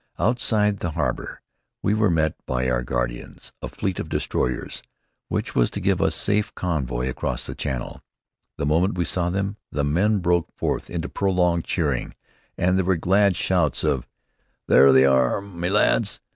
Outside the harbor we were met by our guardians, a fleet of destroyers which was to give us safe convoy across the Channel. The moment they saw them the men broke forth into prolonged cheering, and there were glad shouts of "There they are, me lads!